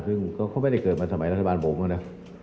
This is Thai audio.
ซึ่งก็ไม่ได้เกิดมาสมัยรัฐบาลผมนะ